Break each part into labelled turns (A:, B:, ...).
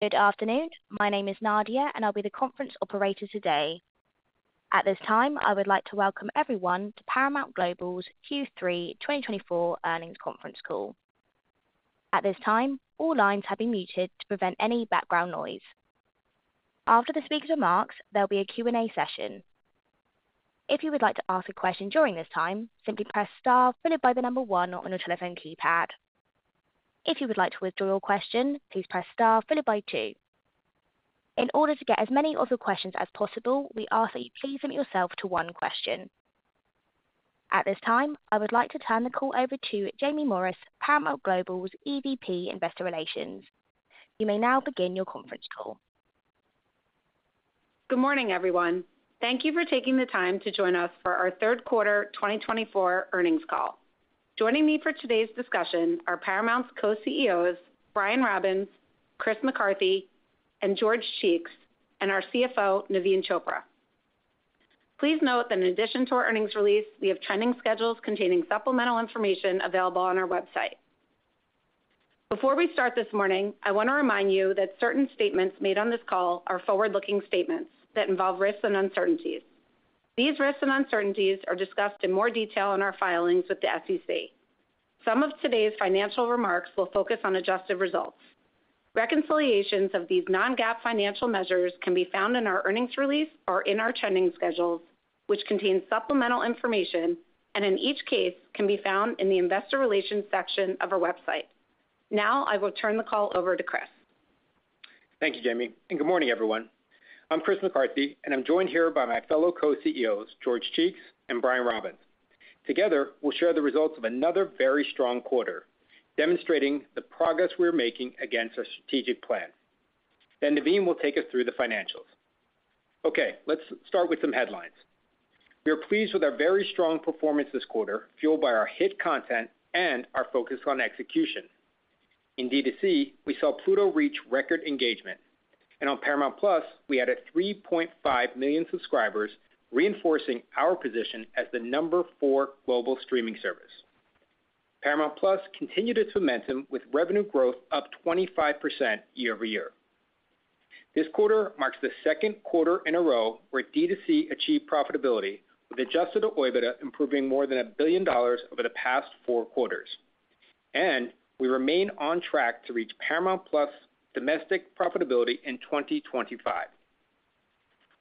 A: Good afternoon. My name is Nadia, and I'll be the conference operator today. At this time, I would like to welcome everyone to Paramount Global's Q3 2024 earnings conference call. At this time, all lines have been muted to prevent any background noise. After the speaker's remarks, there'll be a Q&A session. If you would like to ask a question during this time, simply press star followed by the number one on your telephone keypad. If you would like to withdraw your question, please press star followed by two. In order to get as many of your questions as possible, we ask that you please limit yourself to one question. At this time, I would like to turn the call over to Jaime Morris, Paramount Global's EVP Investor Relations. You may now begin your conference call.
B: Good morning, everyone. Thank you for taking the time to join us for our Q3 2024 earnings call. Joining me for today's discussion are Paramount's co-CEOs Brian Robbins, Chris McCarthy, and George Cheeks, and our CFO, Naveen Chopra. Please note that in addition to our earnings release, we have trending schedules containing supplemental information available on our website. Before we start this morning, I want to remind you that certain statements made on this call are forward-looking statements that involve risks and uncertainties. These risks and uncertainties are discussed in more detail in our filings with the SEC. Some of today's financial remarks will focus on adjusted results. Reconciliations of these non-GAAP financial measures can be found in our earnings release or in our trending schedules, which contain supplemental information, and in each case can be found in the Investor Relations section of our website. Now, I will turn the call over to Chris.
C: Thank you, Jaime, and good morning, everyone. I'm Chris McCarthy, and I'm joined here by my fellow co-CEOs, George Cheeks, and Brian Robbins. Together, we'll share the results of another very strong quarter, demonstrating the progress we're making against our strategic plan. Then Naveen will take us through the financials. Okay, let's start with some headlines. We are pleased with our very strong performance this quarter, fueled by our hit content and our focus on execution. In D2C, we saw Pluto reach record engagement, and on Paramount Plus, we added 3.5 million subscribers, reinforcing our position as the number four global streaming service. Paramount Plus continued its momentum with revenue growth up 25% year over year. This quarter marks the second quarter in a row where D2C achieved profitability, with Adjusted EBITDA improving more than $1 billion over the past four quarters. We remain on track to reach Paramount+’s domestic profitability in 2025.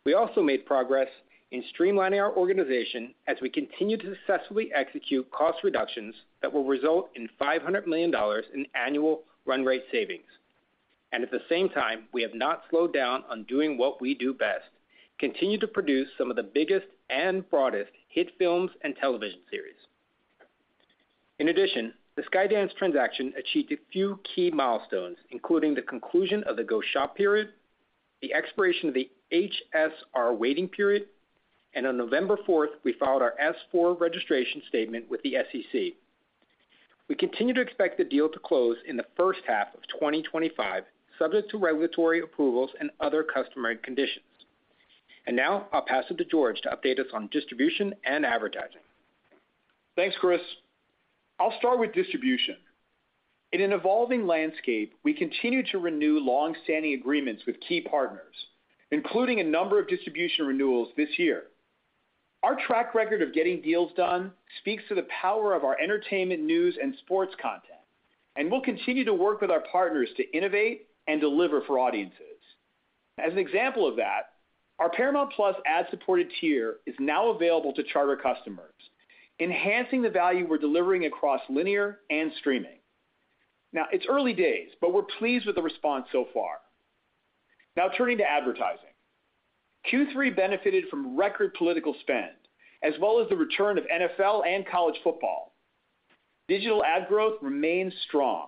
C: We also made progress in streamlining our organization as we continue to successfully execute cost reductions that will result in $500 million in annual run rate savings. At the same time, we have not slowed down on doing what we do best: continue to produce some of the biggest and broadest hit films and television series. In addition, the Skydance transaction achieved a few key milestones, including the conclusion of the Go-Shop Period, the expiration of the HSR Waiting Period, and on November 4th, we filed our S-4 registration statement with the SEC. We continue to expect the deal to close in the first half of 2025, subject to regulatory approvals and other customary conditions. Now, I'll pass it to George to update us on distribution and advertising.
D: Thanks, Chris. I'll start with distribution. In an evolving landscape, we continue to renew longstanding agreements with key partners, including a number of distribution renewals this year. Our track record of getting deals done speaks to the power of our entertainment, news, and sports content, and we'll continue to work with our partners to innovate and deliver for audiences. As an example of that, our Paramount+ ad-supported tier is now available to Charter customers, enhancing the value we're delivering across linear and streaming. Now, it's early days, but we're pleased with the response so far. Now, turning to advertising, Q3 benefited from record political spend, as well as the return of NFL and college football. Digital ad growth remains strong,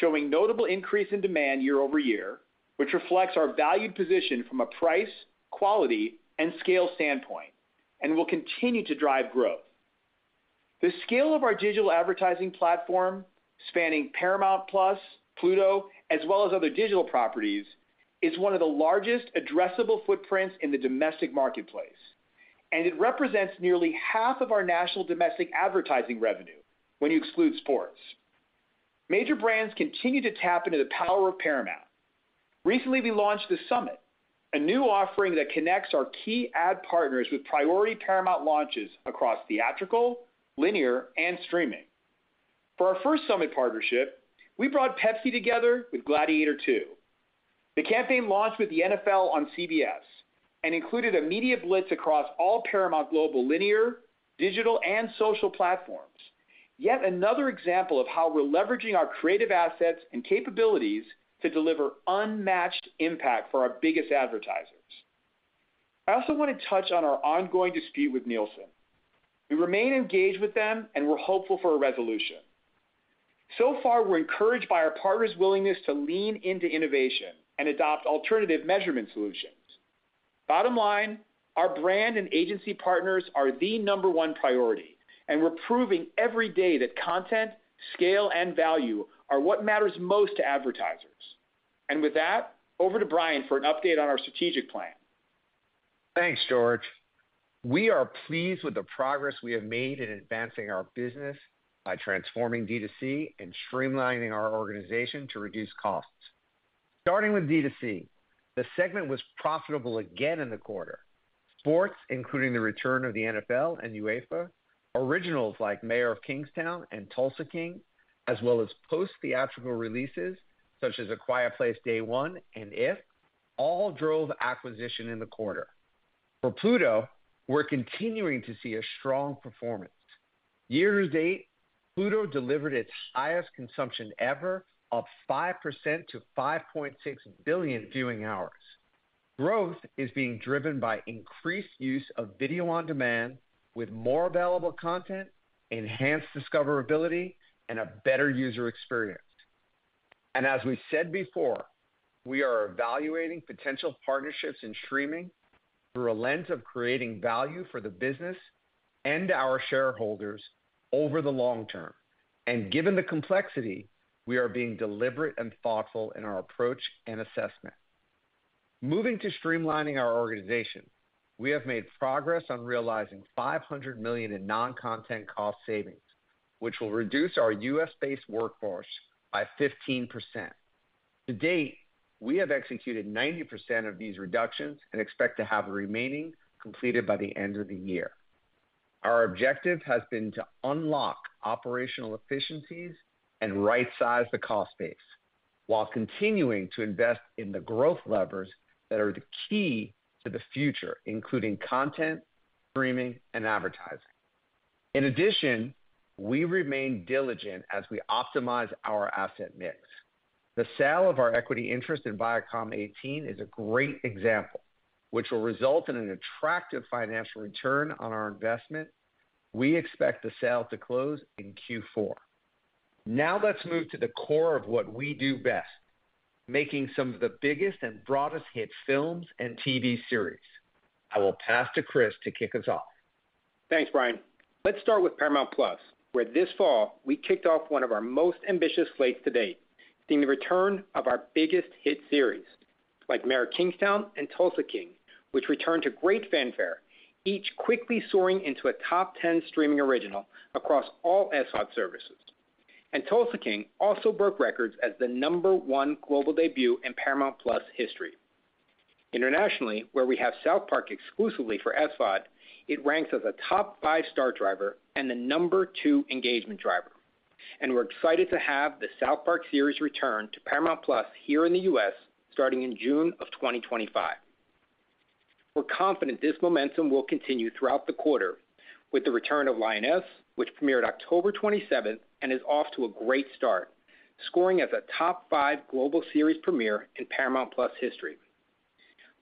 D: showing a notable increase in demand year over year, which reflects our valued position from a price, quality, and scale standpoint, and will continue to drive growth. The scale of our digital advertising platform, spanning Paramount+, Pluto, as well as other digital properties, is one of the largest addressable footprints in the domestic marketplace, and it represents nearly half of our national domestic advertising revenue when you exclude sports. Major brands continue to tap into the power of Paramount. Recently, we launched The Summit, a new offering that connects our key ad partners with priority Paramount launches across theatrical, linear, and streaming. For our first Summit partnership, we brought Pepsi together with Gladiator II. The campaign launched with the NFL on CBS and included immediate blitz across all Paramount Global linear, digital, and social platforms, yet another example of how we're leveraging our creative assets and capabilities to deliver unmatched impact for our biggest advertisers. I also want to touch on our ongoing dispute with Nielsen. We remain engaged with them, and we're hopeful for a resolution. So far, we're encouraged by our partners' willingness to lean into innovation and adopt alternative measurement solutions. Bottom line, our brand and agency partners are the number one priority, and we're proving every day that content, scale, and value are what matters most to advertisers, and with that, over to Brian for an update on our strategic plan.
E: Thanks, George. We are pleased with the progress we have made in advancing our business by transforming D2C and streamlining our organization to reduce costs. Starting with D2C, the segment was profitable again in the quarter. Sports, including the return of the NFL and UEFA, originals like Mayor of Kingstown and Tulsa King, as well as post-theatrical releases such as A Quiet Place: Day One and IF, all drove acquisition in the quarter. For Pluto, we're continuing to see a strong performance. Year to date, Pluto delivered its highest consumption ever, up 5% to 5.6 billion viewing hours. Growth is being driven by increased use of video on demand, with more available content, enhanced discoverability, and a better user experience. As we said before, we are evaluating potential partnerships in streaming through a lens of creating value for the business and our shareholders over the long term. Given the complexity, we are being deliberate and thoughtful in our approach and assessment. Moving to streamlining our organization, we have made progress on realizing $500 million in non-content cost savings, which will reduce our U.S.-based workforce by 15%. To date, we have executed 90% of these reductions and expect to have the remaining completed by the end of the year. Our objective has been to unlock operational efficiencies and right-size the cost base while continuing to invest in the growth levers that are the key to the future, including content, streaming, and advertising. In addition, we remain diligent as we optimize our asset mix. The sale of our equity interest in Viacom18 is a great example, which will result in an attractive financial return on our investment. We expect the sale to close in Q4. Now, let's move to the core of what we do best: making some of the biggest and broadest hit films and TV series. I will pass to Chris to kick us off.
C: Thanks, Brian. Let's start with Paramount+, where this fall, we kicked off one of our most ambitious slates to date, seeing the return of our biggest hit series like Mayor of Kingstown and Tulsa King, which returned to great fanfare, each quickly soaring into a top 10 streaming original across all SVOD services, and Tulsa King also broke records as the number one global debut in Paramount+ history. Internationally, where we have South Park exclusively for SVOD, it ranks as a top five star driver and the number two engagement driver, and we're excited to have the South Park series return to Paramount+ here in the U.S. starting in June of 2025. We're confident this momentum will continue throughout the quarter, with the return of Lioness, which premiered October 27th and is off to a great start, scoring as a top five global series premiere in Paramount+ history.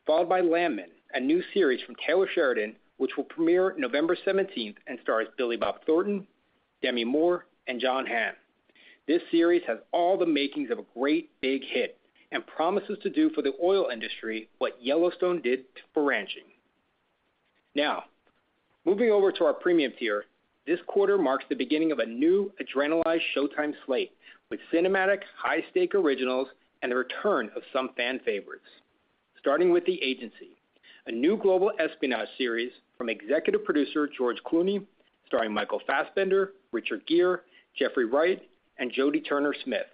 C: Followed by Landman, a new series from Taylor Sheridan, which will premiere November 17th and stars Billy Bob Thornton, Demi Moore, and Jon Hamm. This series has all the makings of a great big hit and promises to do for the oil industry what Yellowstone did to ranching. Now, moving over to our premium tier, this quarter marks the beginning of a new adrenalized Showtime slate with cinematic high-stakes originals and the return of some fan favorites. Starting with The Agency, a new global espionage series from executive producer George Clooney, starring Michael Fassbender, Richard Gere, Jeffrey Wright, and Jodie Turner-Smith,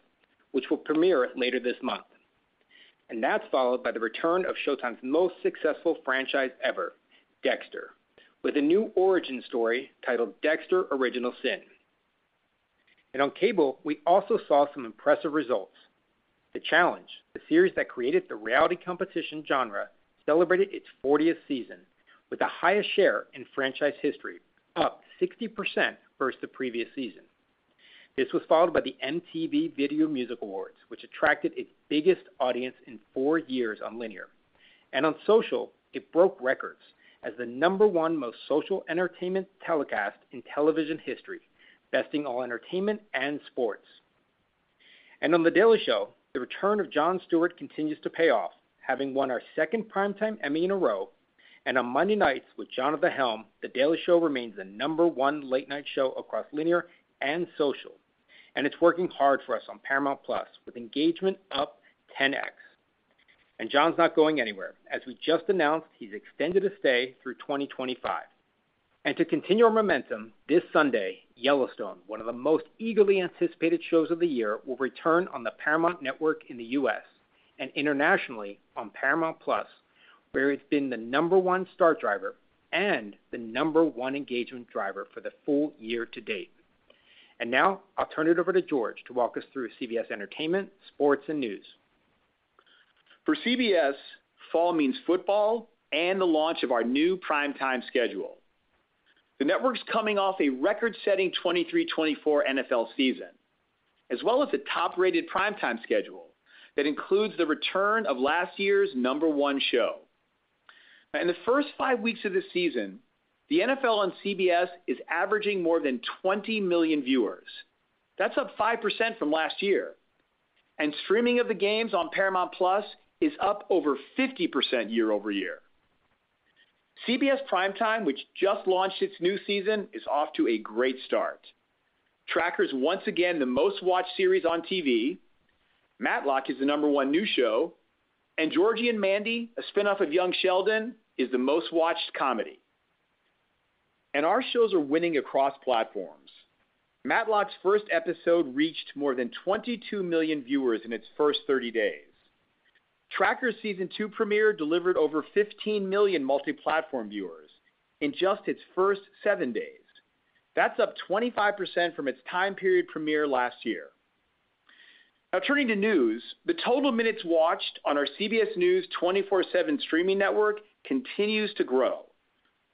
C: which will premiere later this month. And that's followed by the return of Showtime's most successful franchise ever, Dexter, with a new origin story titled Dexter: Original Sin. And on cable, we also saw some impressive results. The Challenge, the series that created the reality competition genre, celebrated its 40th season with the highest share in franchise history, up 60% versus the previous season. This was followed by the MTV Video Music Awards, which attracted its biggest audience in four years on linear. And on social, it broke records as the number one most social entertainment telecast in television history, besting all entertainment and sports. And on The Daily Show, the return of Jon Stewart continues to pay off, having won our second primetime Emmy in a row. And on Monday nights, with Jon at the helm, The Daily Show remains the number one late-night show across linear and social. And it's working hard for us on Paramount+, with engagement up 10x. And Jon's not going anywhere, as we just announced he's extended a stay through 2025. And to continue our momentum, this Sunday, Yellowstone, one of the most eagerly anticipated shows of the year, will return on the Paramount Network in the U.S. and internationally on Paramount+, where it's been the number one star driver and the number one engagement driver for the full year to date. And now, I'll turn it over to George to walk us through CBS Entertainment, sports, and news.
D: For CBS, fall means football and the launch of our new primetime schedule. The network's coming off a record-setting 23-24 NFL season, as well as a top-rated primetime schedule that includes the return of last year's number one show. In the first five weeks of this season, the NFL on CBS is averaging more than 20 million viewers. That's up 5% from last year. And streaming of the games on Paramount+ is up over 50% year over year. CBS Primetime, which just launched its new season, is off to a great start. Tracker is once again the most-watched series on TV. Matlock is the number one new show. And Georgie and Mandy, a spinoff of Young Sheldon, is the most-watched comedy. And our shows are winning across platforms. Matlock's first episode reached more than 22 million viewers in its first 30 days. Tracker's season two premiere delivered over 15 million multi-platform viewers in just its first seven days. That's up 25% from its time period premiere last year. Now, turning to news, the total minutes watched on our CBS News 24/7 streaming network continues to grow,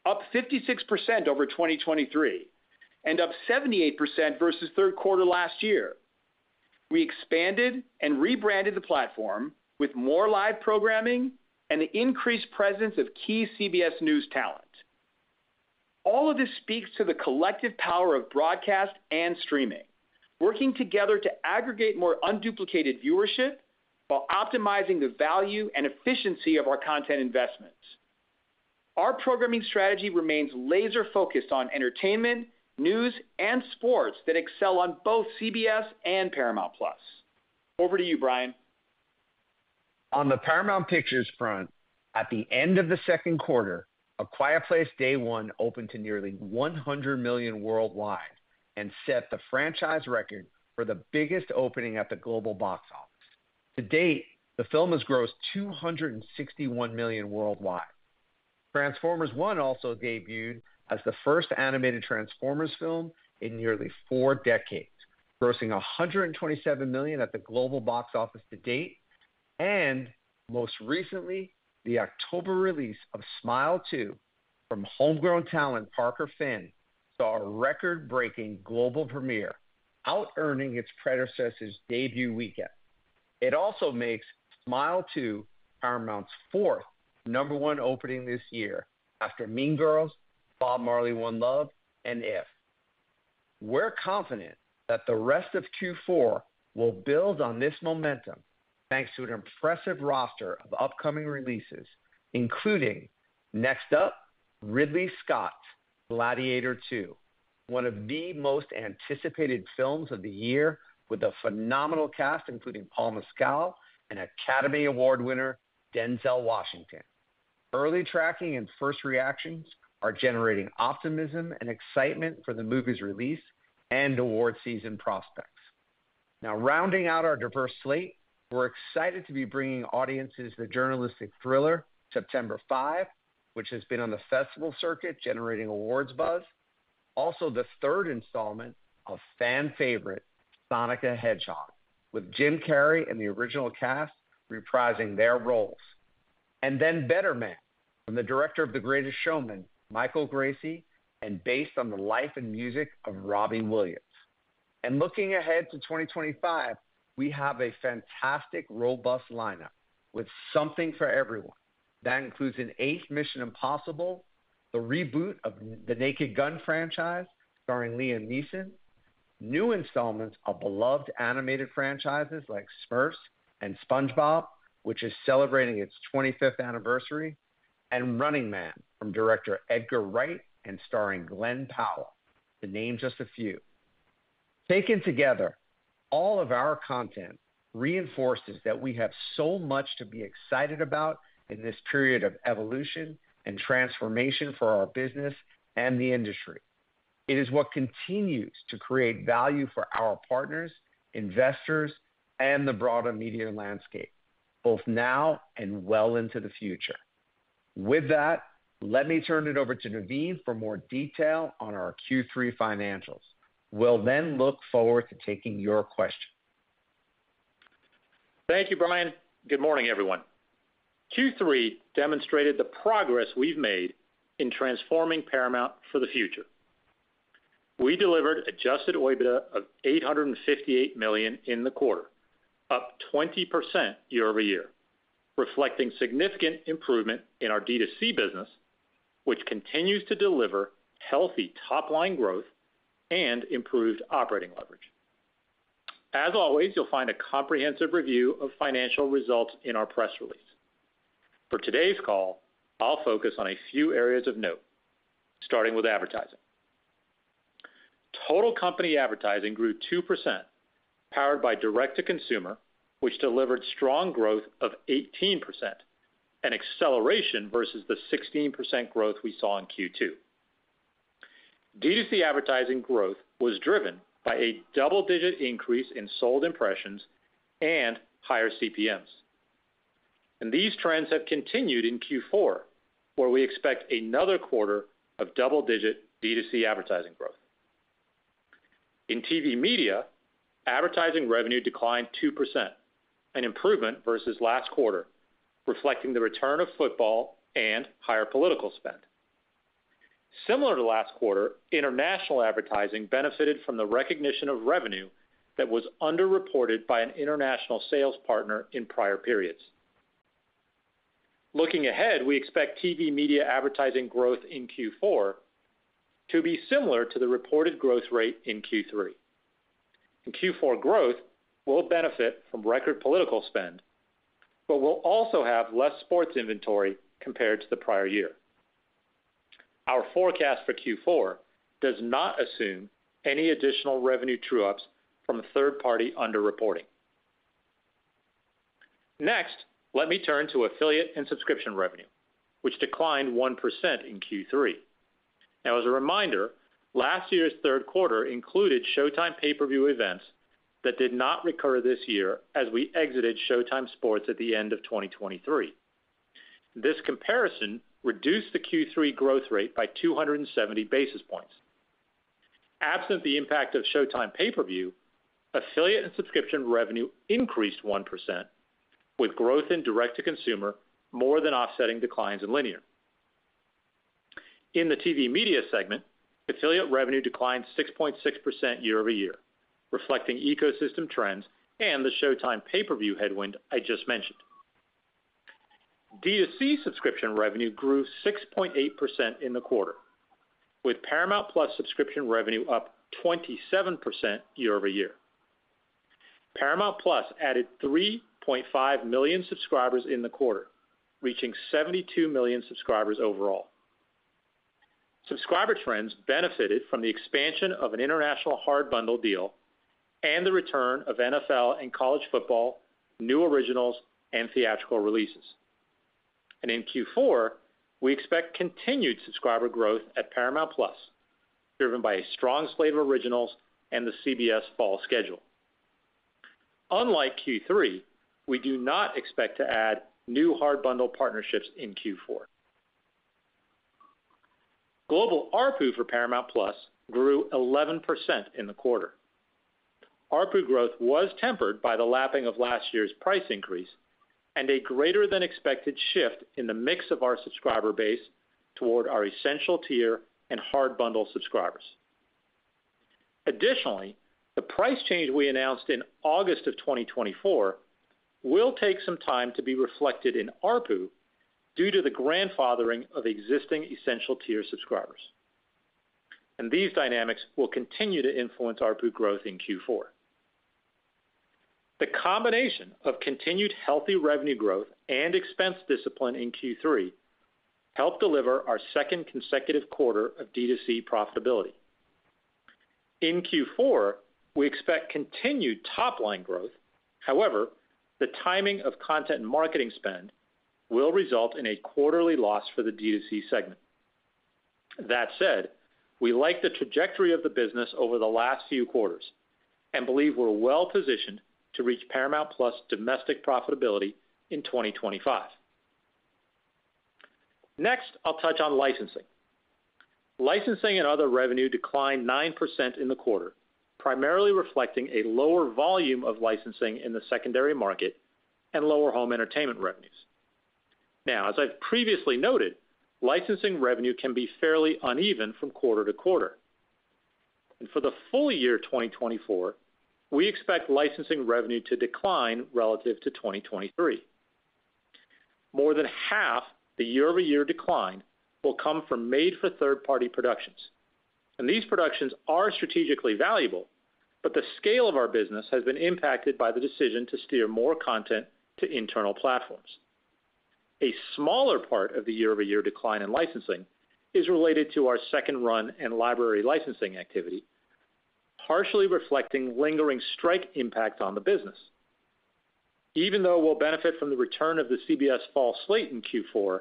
D: up 56% over 2023 and up 78% versus Q3 last year. We expanded and rebranded the platform with more live programming and the increased presence of key CBS News talent. All of this speaks to the collective power of broadcast and streaming, working together to aggregate more unduplicated viewership while optimizing the value and efficiency of our content investments. Our programming strategy remains laser-focused on entertainment, news, and sports that excel on both CBS and Paramount+. Over to you, Brian.
E: On the Paramount Pictures front, at the end of the second quarter, A Quiet Place: Day One opened to nearly $100 million worldwide and set the franchise record for the biggest opening at the global box office. To date, the film has grossed $261 million worldwide. Transformers One also debuted as the first animated Transformers film in nearly four decades, grossing $127 million at the global box office to date. And most recently, the October release of Smile 2 from homegrown talent Parker Finn saw a record-breaking global premiere, out-earning its predecessor's debut weekend. It also makes Smile 2 Paramount's fourth number one opening this year after Mean Girls, Bob Marley: One Love, and IF. We're confident that the rest of Q4 will build on this momentum thanks to an impressive roster of upcoming releases, including Next Up, Ridley Scott's Gladiator II, one of the most anticipated films of the year with a phenomenal cast, including Paul Mescal and Academy Award winner Denzel Washington. Early tracking and first reactions are generating optimism and excitement for the movie's release and award season prospects. Now, rounding out our diverse slate, we're excited to be bringing audiences the journalistic thriller September 5, which has been on the festival circuit, generating awards buzz. Also, the third installment of fan favorite Sonic the Hedgehog, with Jim Carrey and the original cast reprising their roles. Better Man from the director of The Greatest Showman, Michael Gracey, and based on the life and music of Robbie Williams. And looking ahead to 2025, we have a fantastic, robust lineup with something for everyone. That includes an eighth Mission: Impossible, the reboot of The Naked Gun franchise starring Liam Neeson, new installments of beloved animated franchises like Smurfs and SpongeBob, which is celebrating its 25th anniversary, and The Running Man from director Edgar Wright and starring Glen Powell, to name just a few. Taken together, all of our content reinforces that we have so much to be excited about in this period of evolution and transformation for our business and the industry. It is what continues to create value for our partners, investors, and the broader media landscape, both now and well into the future. With that, let me turn it over to Naveen for more detail on our Q3 financials. We'll then look forward to taking your questions.
F: Thank you, Brian. Good morning, everyone. Q3 demonstrated the progress we've made in transforming Paramount for the future. We delivered Adjusted EBITDA of $858 million in the quarter, up 20% year over year, reflecting significant improvement in our D2C business, which continues to deliver healthy top-line growth and improved operating leverage. As always, you'll find a comprehensive review of financial results in our press release. For today's call, I'll focus on a few areas of note, starting with advertising. Total company advertising grew 2%, powered by direct-to-consumer, which delivered strong growth of 18%, an acceleration versus the 16% growth we saw in Q2. D2C advertising growth was driven by a double-digit increase in sold impressions and higher CPMs. These trends have continued in Q4, where we expect another quarter of double-digit D2C advertising growth. In TV media, advertising revenue declined 2%, an improvement versus last quarter, reflecting the return of football and higher political spend. Similar to last quarter, international advertising benefited from the recognition of revenue that was underreported by an international sales partner in prior periods. Looking ahead, we expect TV media advertising growth in Q4 to be similar to the reported growth rate in Q3. In Q4, growth will benefit from record political spend, but we'll also have less sports inventory compared to the prior year. Our forecast for Q4 does not assume any additional revenue true-ups from third-party underreporting. Next, let me turn to affiliate and subscription revenue, which declined 1% in Q3. Now, as a reminder, last year's Q3 included Showtime pay-per-view events that did not recur this year as we exited Showtime Sports at the end of 2023. This comparison reduced the Q3 growth rate by 270 basis points. Absent the impact of Showtime pay-per-view, affiliate and subscription revenue increased 1%, with growth in direct-to-consumer more than offsetting declines in linear. In the TV media segment, affiliate revenue declined 6.6% year over year, reflecting ecosystem trends and the Showtime pay-per-view headwind I just mentioned. D2C subscription revenue grew 6.8% in the quarter, with Paramount+ subscription revenue up 27% year over year. Paramount+ added 3.5 million subscribers in the quarter, reaching 72 million subscribers overall. Subscriber trends benefited from the expansion of an international hard bundle deal and the return of NFL and college football, new originals, and theatrical releases, and in Q4, we expect continued subscriber growth at Paramount+, driven by a strong slate of originals and the CBS fall schedule. Unlike Q3, we do not expect to add new hard bundle partnerships in Q4. Global ARPU for Paramount+ grew 11% in the quarter. ARPU growth was tempered by the lapping of last year's price increase and a greater-than-expected shift in the mix of our subscriber base toward our essential tier and hard bundle subscribers. Additionally, the price change we announced in August of 2024 will take some time to be reflected in ARPU due to the grandfathering of existing essential tier subscribers. And these dynamics will continue to influence ARPU growth in Q4. The combination of continued healthy revenue growth and expense discipline in Q3 helped deliver our second consecutive quarter of D2C profitability. In Q4, we expect continued top-line growth. However, the timing of content marketing spend will result in a quarterly loss for the D2C segment. That said, we like the trajectory of the business over the last few quarters and believe we're well-positioned to reach Paramount+’s domestic profitability in 2025. Next, I'll touch on licensing. Licensing and other revenue declined 9% in the quarter, primarily reflecting a lower volume of licensing in the secondary market and lower home entertainment revenues. Now, as I've previously noted, licensing revenue can be fairly uneven from quarter to quarter, and for the full year 2024, we expect licensing revenue to decline relative to 2023. More than half the year-over-year decline will come from made-for-third-party productions, and these productions are strategically valuable, but the scale of our business has been impacted by the decision to steer more content to internal platforms. A smaller part of the year-over-year decline in licensing is related to our second run and library licensing activity, partially reflecting lingering strike impact on the business. Even though we'll benefit from the return of the CBS fall slate in Q4,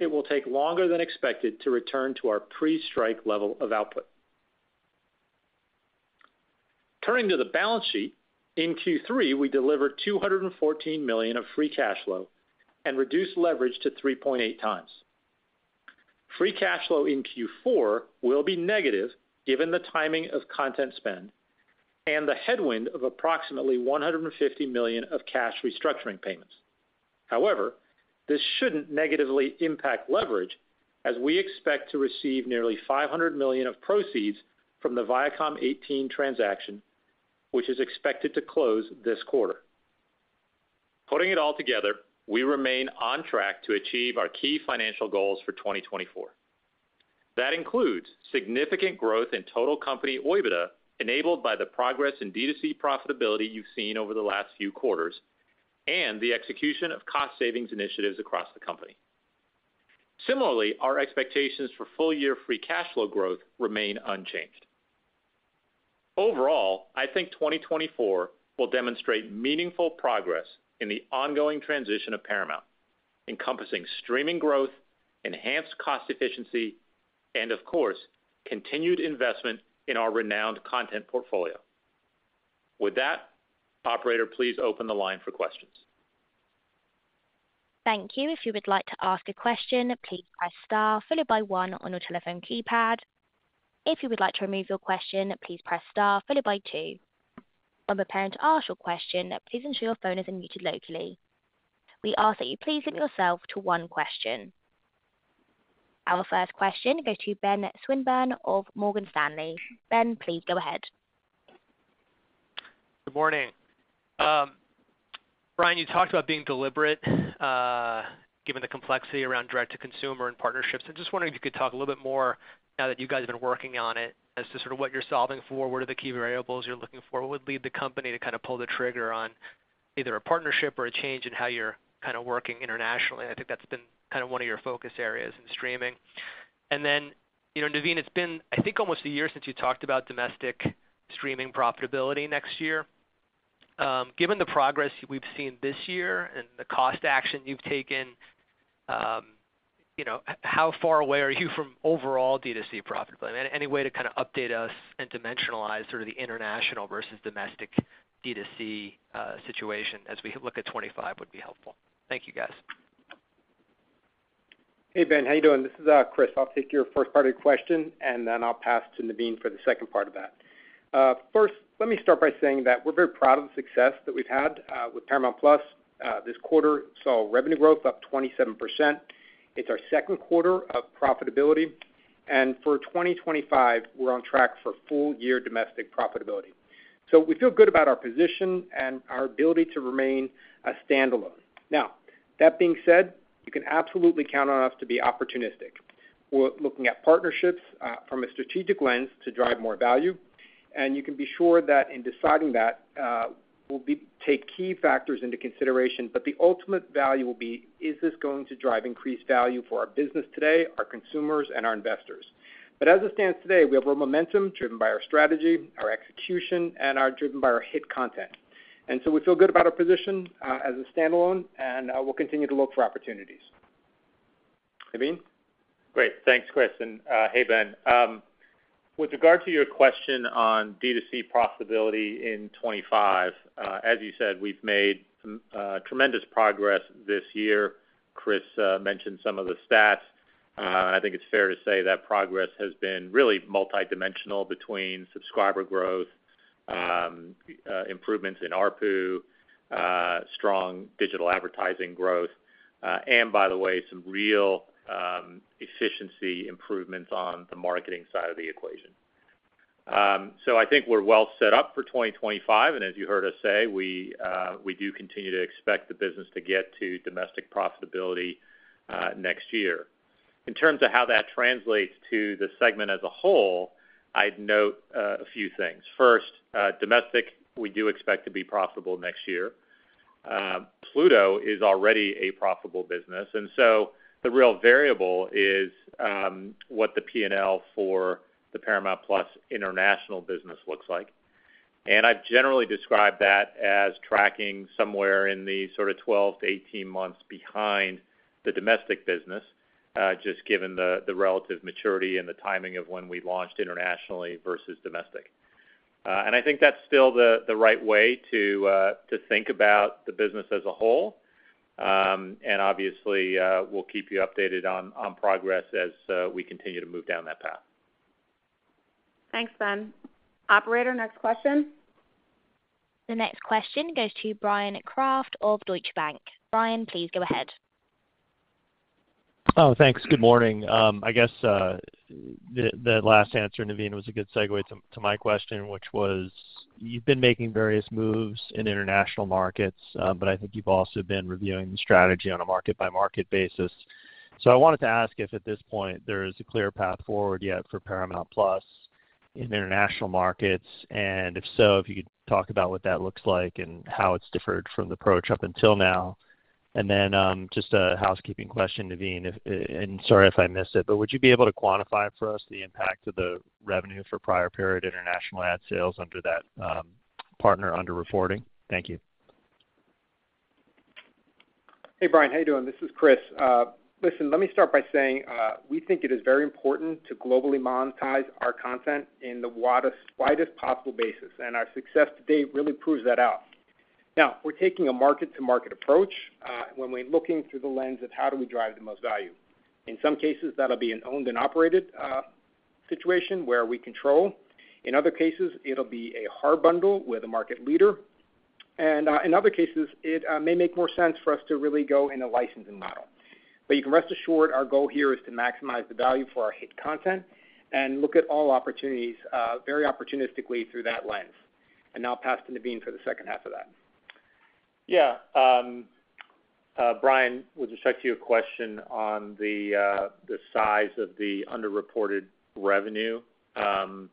F: it will take longer than expected to return to our pre-strike level of output. Turning to the balance sheet, in Q3, we delivered $214 million of free cash flow and reduced leverage to 3.8 times. Free cash flow in Q4 will be negative given the timing of content spend and the headwind of approximately $150 million of cash restructuring payments. However, this shouldn't negatively impact leverage, as we expect to receive nearly $500 million of proceeds from the Viacom18 transaction, which is expected to close this quarter. Putting it all together, we remain on track to achieve our key financial goals for 2024. That includes significant growth in total company EBITDA enabled by the progress in D2C profitability you've seen over the last few quarters and the execution of cost-savings initiatives across the company. Similarly, our expectations for full-year free cash flow growth remain unchanged. Overall, I think 2024 will demonstrate meaningful progress in the ongoing transition of Paramount, encompassing streaming growth, enhanced cost efficiency, and, of course, continued investment in our renowned content portfolio. With that, operator, please open the line for questions.
A: Thank you. If you would like to ask a question, please press star followed by one on your telephone keypad. If you would like to remove your question, please press star followed by two. When preparing to ask your question, please ensure your phone is unmuted locally. We ask that you please limit yourself to one question. Our first question goes to Ben Swinburne of Morgan Stanley. Ben, please go ahead.
G: Good morning. Brian, you talked about being deliberate given the complexity around direct-to-consumer and partnerships. I'm just wondering if you could talk a little bit more now that you guys have been working on it. As to sort of what you're solving for, what are the key variables you're looking for, what would lead the company to kind of pull the trigger on either a partnership or a change in how you're kind of working internationally? I think that's been kind of one of your focus areas in streaming. And then, Naveen, it's been, I think, almost a year since you talked about domestic streaming profitability next year. Given the progress we've seen this year and the cost action you've taken, how far away are you from overall D2C profitability? Any way to kind of update us and dimensionalize sort of the international versus domestic D2C situation as we look at 2025 would be helpful? Thank you, guys.
C: Hey, Ben. How are you doing? This is Chris. I'll take your first part of your question, and then I'll pass to Naveen for the second part of that. First, let me start by saying that we're very proud of the success that we've had with Paramount+ this quarter. We saw revenue growth up 27%. It's our Q2 of profitability. And for 2025, we're on track for full-year domestic profitability. So we feel good about our position and our ability to remain a standalone. Now, that being said, you can absolutely count on us to be opportunistic. We're looking at partnerships from a strategic lens to drive more value. And you can be sure that in deciding that, we'll take key factors into consideration. But the ultimate value will be: is this going to drive increased value for our business today, our consumers, and our investors? But as it stands today, we have our momentum driven by our strategy, our execution, and our hit content. And so we feel good about our position as a standalone, and we'll continue to look for opportunities. Naveen?
F: Great. Thanks, Chris. And hey, Ben. With regard to your question on D2C profitability in 2025, as you said, we've made tremendous progress this year. Chris mentioned some of the stats. I think it's fair to say that progress has been really multidimensional between subscriber growth, improvements in ARPU, strong digital advertising growth, and, by the way, some real efficiency improvements on the marketing side of the equation. So I think we're well set up for 2025. And as you heard us say, we do continue to expect the business to get to domestic profitability next year. In terms of how that translates to the segment as a whole, I'd note a few things. First, domestic, we do expect to be profitable next year. Pluto is already a profitable business. And so the real variable is what the P&L for the Paramount Plus international business looks like. And I've generally described that as tracking somewhere in the sort of 12-18 months behind the domestic business, just given the relative maturity and the timing of when we launched internationally versus domestic. And I think that's still the right way to think about the business as a whole. And obviously, we'll keep you updated on progress as we continue to move down that path.
A: Thanks, Ben. Operator, next question. The next question goes to Brian Kraft of Deutsche Bank. Brian, please go ahead.
H: Oh, thanks. Good morning. I guess the last answer, Naveen, was a good segue to my question, which was you've been making various moves in international markets, but I think you've also been reviewing the strategy on a market-by-market basis. So I wanted to ask if at this point there is a clear path forward yet for Paramount+ in international markets. And if so, if you could talk about what that looks like and how it's differed from the approach up until now. And then just a housekeeping question, Naveen, and sorry if I missed it, but would you be able to quantify for us the impact of the revenue for prior-period international ad sales under that partner under reporting? Thank you.
F: Hey, Brian. How are you doing? This is Chris. Listen, let me start by saying we think it is very important to globally monetize our content in the widest possible basis. And our success today really proves that out. Now, we're taking a market-to-market approach when we're looking through the lens of how do we drive the most value. In some cases, that'll be an owned and operated situation where we control. In other cases, it'll be a hard bundle with a market leader. And in other cases, it may make more sense for us to really go in a licensing model. But you can rest assured our goal here is to maximize the value for our hit content and look at all opportunities very opportunistically through that lens. And I'll pass to Naveen for the H2 of that. Yeah. Brian, with respect to your question on the size of the underreported revenue in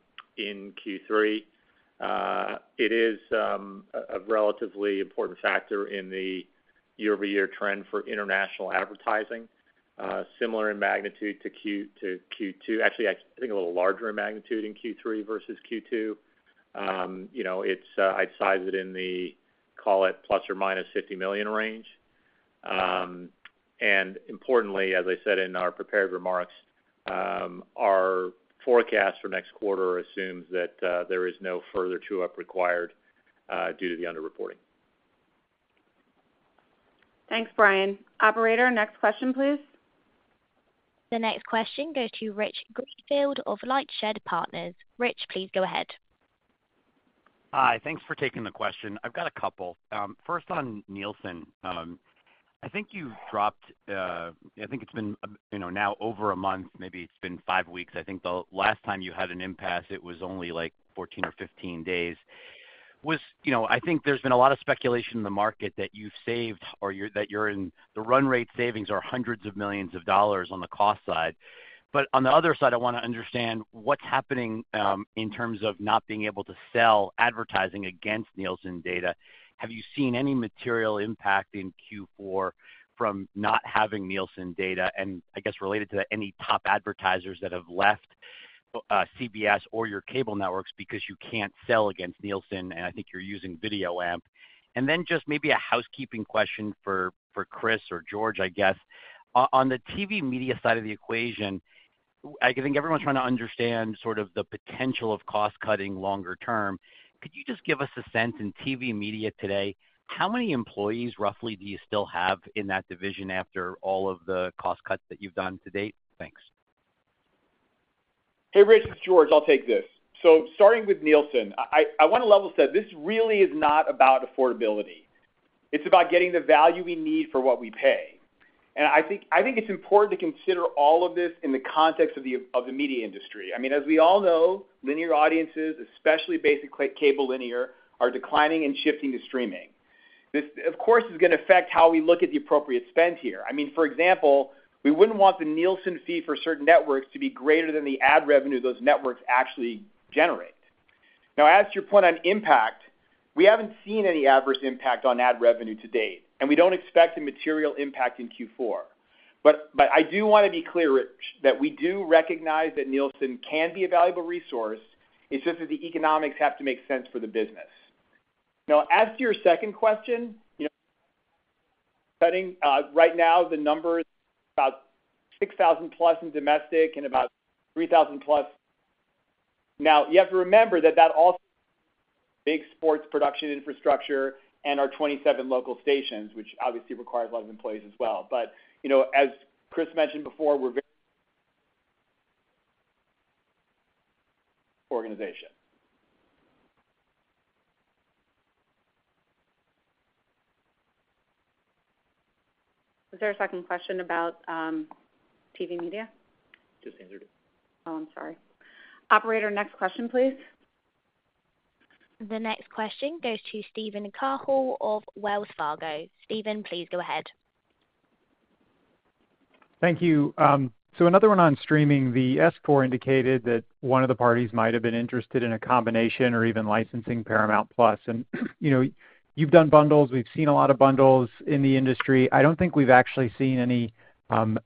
F: Q3, it is a relatively important factor in the year-over-year trend for international advertising, similar in magnitude to Q2, actually, I think a little larger in magnitude in Q3 versus Q2. I'd size it in the, call it, plus or minus $50 million range. And importantly, as I said in our prepared remarks, our forecast for next quarter assumes that there is no further write-up required due to the underreporting.
B: Thanks, Brian. Operator, next question, please.
A: The next question goes to Rich Greenfield of Lightshed Partners. Rich, please go ahead.
G: Hi. Thanks for taking the question. I've got a couple. First on Nielsen. I think you dropped. I think it's been now over a month, maybe it's been five weeks. I think the last time you had an impasse, it was only like 14 or 15 days. I think there's been a lot of speculation in the market that you've saved or that you're in the run rate savings are hundreds of millions of dollars on the cost side. But on the other side, I want to understand what's happening in terms of not being able to sell advertising against Nielsen data. Have you seen any material impact in Q4 from not having Nielsen data? And I guess related to that, any top advertisers that have left CBS or your cable networks because you can't sell against Nielsen? And I think you're using VideoAmp. And then just maybe a housekeeping question for Chris or George, I guess. On the TV media side of the equation, I think everyone's trying to understand sort of the potential of cost-cutting longer term. Could you just give us a sense in TV media today, how many employees roughly do you still have in that division after all of the cost cuts that you've done to date? Thanks.
D: Hey, Rich, it's George. I'll take this. So starting with Nielsen, I want to level set. This really is not about affordability. It's about getting the value we need for what we pay. And I think it's important to consider all of this in the context of the media industry. I mean, as we all know, linear audiences, especially basic cable linear, are declining and shifting to streaming. This, of course, is going to affect how we look at the appropriate spend here. I mean, for example, we wouldn't want the Nielsen fee for certain networks to be greater than the ad revenue those networks actually generate. Now, as to your point on impact, we haven't seen any adverse impact on ad revenue to date. And we don't expect a material impact in Q4. But I do want to be clear that we do recognize that Nielsen can be a valuable resource. It's just that the economics have to make sense for the business. Now, as to your second question, right now, the number is about 6,000 plus in domestic and about 3,000 plus. Now, you have to remember that that also is big sports production infrastructure and our 27 local stations, which obviously requires a lot of employees as well. But as Chris mentioned before, we're a very organization.
B: Is there a second question about TV media?
F: Just answered it.
B: Oh, I'm sorry. Operator, next question, please.
A: The next question goes to Steven Cahall of Wells Fargo. Steven, please go ahead.
G: Thank you. So another one on streaming. The S-4 indicated that one of the parties might have been interested in a combination or even licensing Paramount+. And you've done bundles. We've seen a lot of bundles in the industry. I don't think we've actually seen any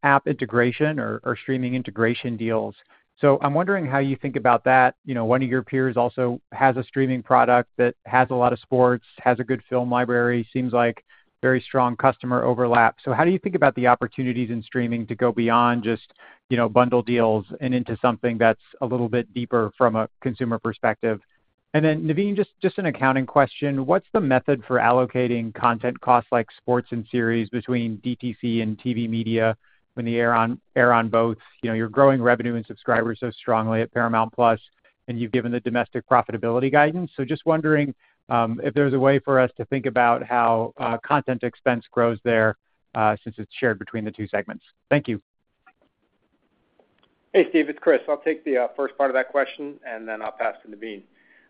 G: app integration or streaming integration deals. So I'm wondering how you think about that. One of your peers also has a streaming product that has a lot of sports, has a good film library, seems like very strong customer overlap. So how do you think about the opportunities in streaming to go beyond just bundle deals and into something that's a little bit deeper from a consumer perspective? And then, Naveen, just an accounting question. What's the method for allocating content costs like sports and series between DTC and TV media when they're on both? You're growing revenue and subscribers so strongly at Paramount+, and you've given the domestic profitability guidance. So just wondering if there's a way for us to think about how content expense grows there since it's shared between the two segments. Thank you.
C: Hey, Steve. It's Chris. I'll take the first part of that question, and then I'll pass to Naveen.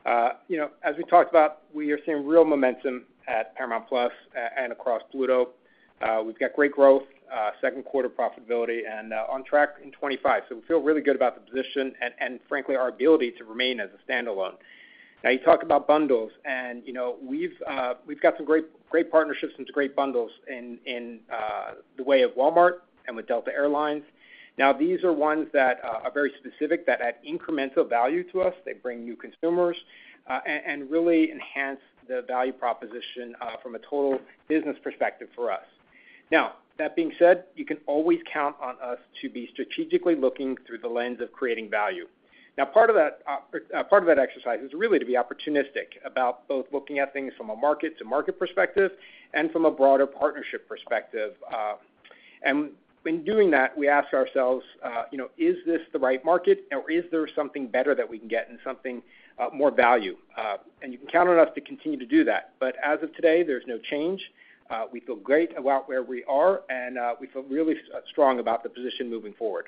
C: As we talked about, we are seeing real momentum at Paramount+ and across Pluto. We've got great growth, Q2 profitability, and on track in 2025. So we feel really good about the position and, frankly, our ability to remain as a standalone. Now, you talk about bundles, and we've got some great partnerships and some great bundles in the way of Walmart and with Delta Air Lines. Now, these are ones that are very specific that add incremental value to us. They bring new consumers and really enhance the value proposition from a total business perspective for us. Now, that being said, you can always count on us to be strategically looking through the lens of creating value.
F: Now, part of that exercise is really to be opportunistic about both looking at things from a market-to-market perspective and from a broader partnership perspective, and in doing that, we ask ourselves, is this the right market, or is there something better that we can get and something more value?, and you can count on us to continue to do that, but as of today, there's no change. We feel great about where we are, and we feel really strong about the position moving forward.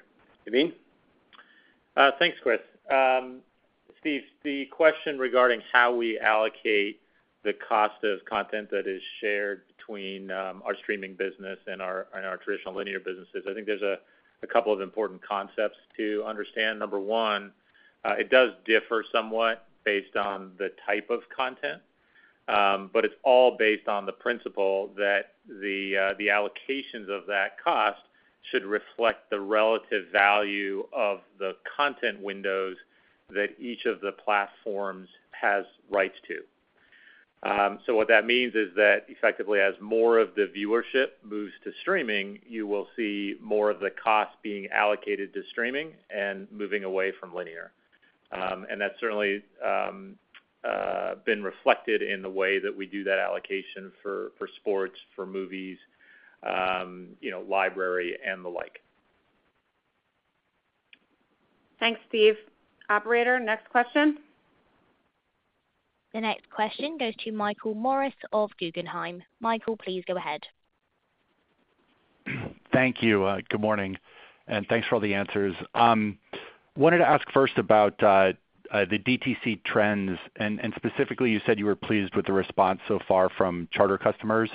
F: Naveen? Thanks, Chris. Steve, the question regarding how we allocate the cost of content that is shared between our streaming business and our traditional linear businesses, I think there's a couple of important concepts to understand. Number one, it does differ somewhat based on the type of content, but it's all based on the principle that the allocations of that cost should reflect the relative value of the content windows that each of the platforms has rights to. So what that means is that effectively, as more of the viewership moves to streaming, you will see more of the cost being allocated to streaming and moving away from linear. And that's certainly been reflected in the way that we do that allocation for sports, for movies, library, and the like.
B: Thanks, Steve. Operator, next question.
A: The next question goes to Michael Morris of Guggenheim. Michael, please go ahead.
I: Thank you. Good morning, and thanks for all the answers. I wanted to ask first about the DTC trends, and specifically, you said you were pleased with the response so far from Charter customers.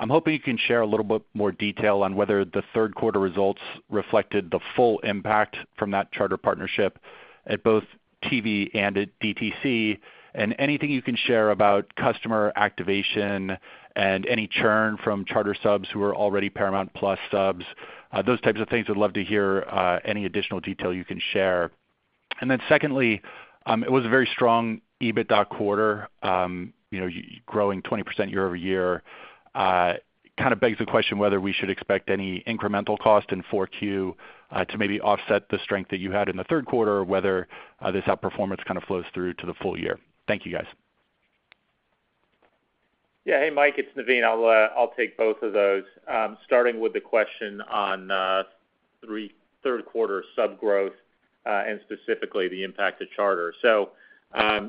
I: I'm hoping you can share a little bit more detail on whether the tQ3 results reflected the full impact from that Charter partnership at both TV and at DTC, and anything you can share about customer activation and any churn from Charter subs who are already Paramount+ subs. Those types of things. We'd love to hear any additional detail you can share. And then secondly, it was a very strong EBITDA quarter, growing 20% year over year. Kind of begs the question whether we should expect any incremental cost in 4Q to maybe offset the strength that you had in the Q3, whether this outperformance kind of flows through to the full year. Thank you, guys.
F: Yeah. Hey, Mike. It's Naveen. I'll take both of those, starting with the question on Q3 sub growth and specifically the impact to charter, so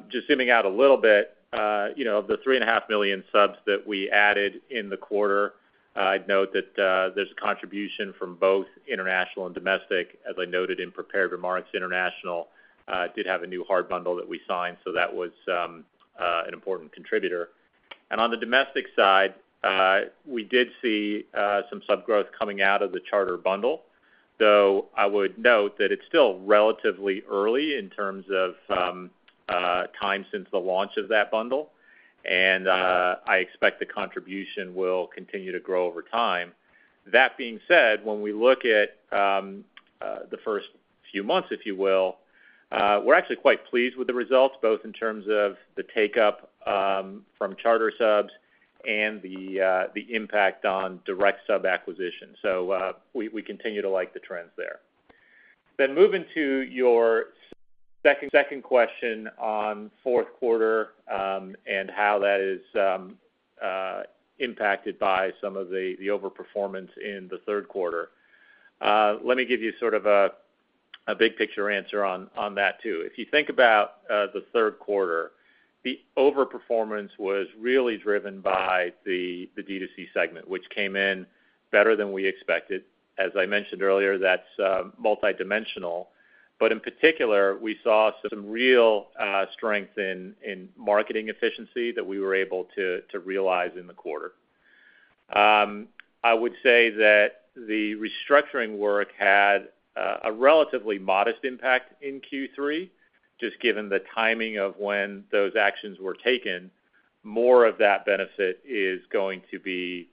F: just zooming out a little bit, of the 3.5 million subs that we added in the quarter, I'd note that there's a contribution from both international and domestic. As I noted in prepared remarks, international did have a new hard bundle that we signed, so that was an important contributor, and on the domestic side, we did see some sub growth coming out of the charter bundle, though I would note that it's still relatively early in terms of time since the launch of that bundle, and I expect the contribution will continue to grow over time. That being said, when we look at the first few months, if you will, we're actually quite pleased with the results, both in terms of the take-up from charter subs and the impact on direct sub acquisition. So we continue to like the trends there. Then moving to your second question on Q4 and how that is impacted by some of the overperformance in the Q3. Let me give you sort of a big-picture answer on that too. If you think about the Q3, the overperformance was really driven by the DTC segment, which came in better than we expected. As I mentioned earlier, that's multidimensional. But in particular, we saw some real strength in marketing efficiency that we were able to realize in the quarter. I would say that the restructuring work had a relatively modest impact in Q3. Just given the timing of when those actions were taken, more of that benefit is going to be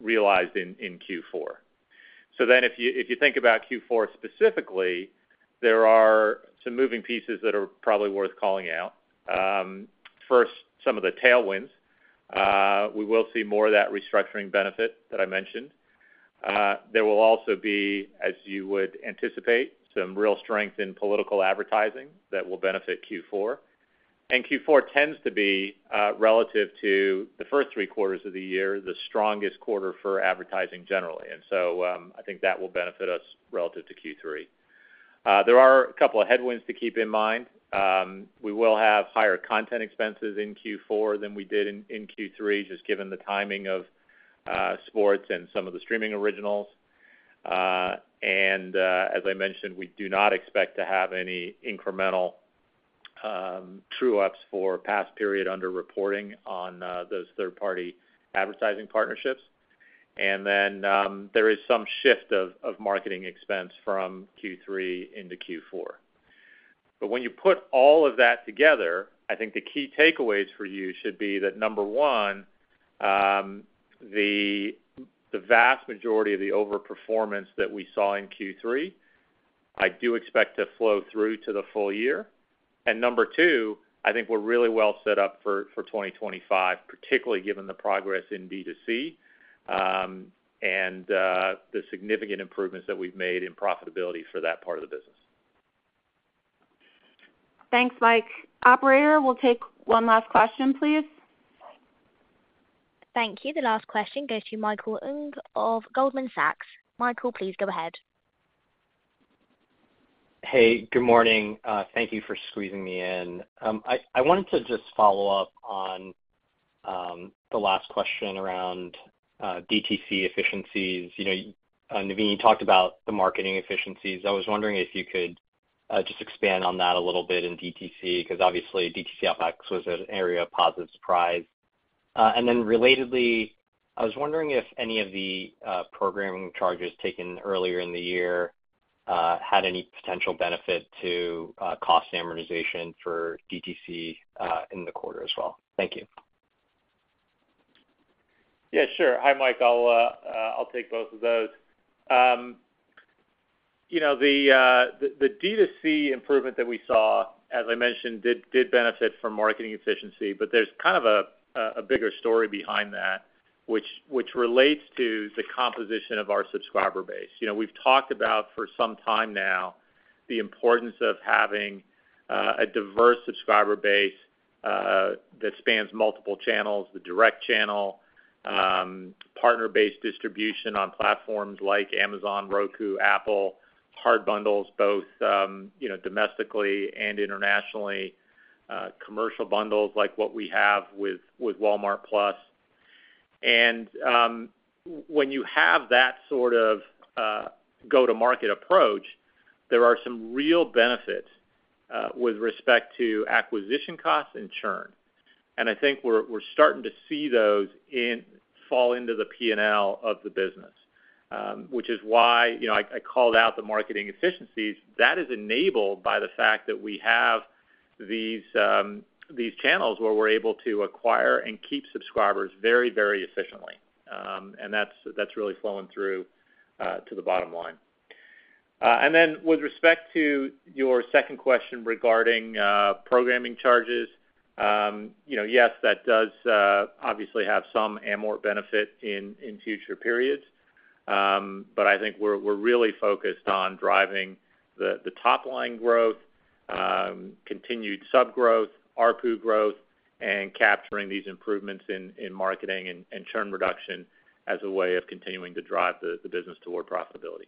F: realized in Q4. So then if you think about Q4 specifically, there are some moving pieces that are probably worth calling out. First, some of the tailwinds. We will see more of that restructuring benefit that I mentioned. There will also be, as you would anticipate, some real strength in political advertising that will benefit Q4. And Q4 tends to be, relative to the first three quarters of the year, the strongest quarter for advertising generally. And so I think that will benefit us relative to Q3. There are a couple of headwinds to keep in mind. We will have higher content expenses in Q4 than we did in Q3, just given the timing of sports and some of the streaming originals. And as I mentioned, we do not expect to have any incremental true-ups for past period under-reporting on those third-party advertising partnerships. And then there is some shift of marketing expense from Q3 into Q4. But when you put all of that together, I think the key takeaways for you should be that, number one, the vast majority of the overperformance that we saw in Q3, I do expect to flow through to the full year. And number two, I think we're really well set up for 2025, particularly given the progress in DTC and the significant improvements that we've made in profitability for that part of the business.
B: Thanks, Mike. Operator, we'll take one last question, please.
A: Thank you. The last question goes to Michael Ng of Goldman Sachs. Michael, please go ahead.
J: Hey, good morning. Thank you for squeezing me in. I wanted to just follow up on the last question around DTC efficiencies. Naveen, you talked about the marketing efficiencies. I was wondering if you could just expand on that a little bit in DTC because, obviously, DTC OpEx was an area of positive surprise. And then relatedly, I was wondering if any of the programming charges taken earlier in the year had any potential benefit to cost amortization for DTC in the quarter as well. Thank you.
F: Yeah, sure. Hi, Mike. I'll take both of those. The DTC improvement that we saw, as I mentioned, did benefit from marketing efficiency, but there's kind of a bigger story behind that, which relates to the composition of our subscriber base. We've talked about for some time now the importance of having a diverse subscriber base that spans multiple channels: the direct channel, partner-based distribution on platforms like Amazon, Roku, Apple, hard bundles, both domestically and internationally, commercial bundles like what we have with Walmart Plus. And when you have that sort of go-to-market approach, there are some real benefits with respect to acquisition costs and churn. And I think we're starting to see those fall into the P&L of the business, which is why I called out the marketing efficiencies. That is enabled by the fact that we have these channels where we're able to acquire and keep subscribers very, very efficiently. And that's really flowing through to the bottom line. And then with respect to your second question regarding programming charges, yes, that does obviously have some amortization benefit in future periods. But I think we're really focused on driving the top-line growth, continued sub growth, ARPU growth, and capturing these improvements in marketing and churn reduction as a way of continuing to drive the business toward profitability.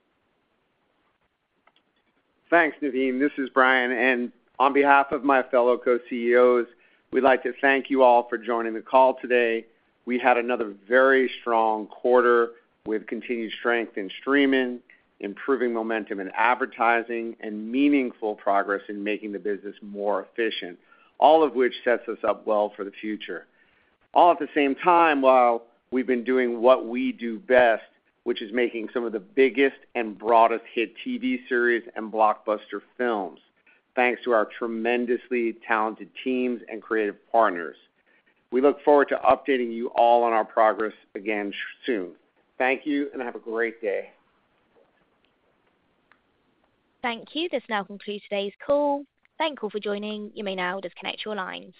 E: Thanks, Naveen. This is Brian. And on behalf of my fellow co-CEOs, we'd like to thank you all for joining the call today. We had another very strong quarter with continued strength in streaming, improving momentum in advertising, and meaningful progress in making the business more efficient, all of which sets us up well for the future. All at the same time, while we've been doing what we do best, which is making some of the biggest and broadest hit TV series and blockbuster films, thanks to our tremendously talented teams and creative partners. We look forward to updating you all on our progress again soon. Thank you, and have a great day.
A: Thank you. This now concludes today's call. Thank you all for joining. You may now disconnect your lines.